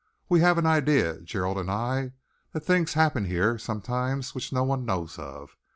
We have an idea, Gerald and I, that things happen here sometimes which no one knows of.